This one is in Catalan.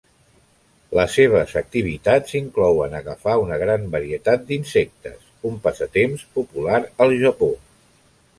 Les seves activitats s'inclouen agafar una gran varietat d'insectes, un passatemps popular al Japó.